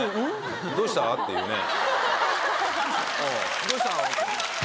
どうした？っていうね。